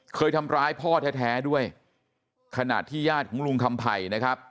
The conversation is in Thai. เคยทำร้ายพ่อแท้ด้วยขณะที่ญาติของลุงคำไผ่นะครับ